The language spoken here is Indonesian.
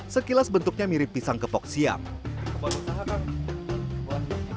sekilas bentuknya mirip pisang kepok siang